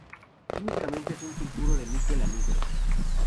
Químicamente es un sulfuro de níquel anhidro.